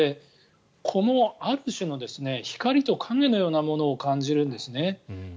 このある種の光と影のようなものを感じるんですね。